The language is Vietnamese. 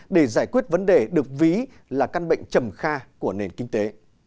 để giải quyết vấn đề được ví là căn bệnh trầm kha của nền kinh tế